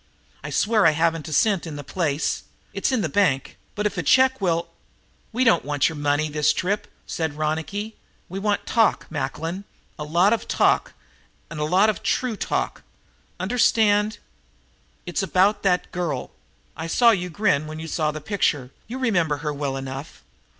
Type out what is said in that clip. "I swear I haven't a cent in the place. It's in the bank, but if a check will " "We don't want your money this trip," said Ronicky. "We want talk, Macklin. A lot of talk and a lot of true talk. Understand? It's about that girl. I saw you grin when you saw the picture; you remember her well enough.